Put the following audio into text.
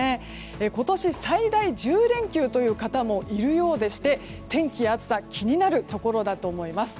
今年、最大１０連休という方もいるようでして天気、暑さが気になるところだと思います。